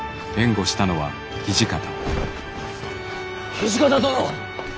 土方殿！